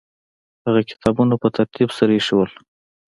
هغه کتابونه په ترتیب سره ایښي وو.